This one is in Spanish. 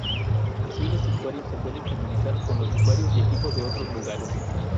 Así los usuarios se pueden comunicar con los usuarios y equipos de otros lugares.